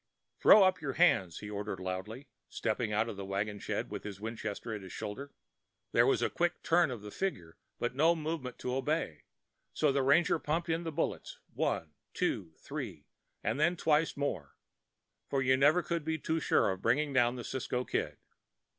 "Throw up your hands," he ordered loudly, stepping out of the wagon shed with his Winchester at his shoulder. There was a quick turn of the figure, but no movement to obey, so the ranger pumped in the bullets—one—two—three—and then twice more; for you never could be too sure of bringing down the Cisco Kid.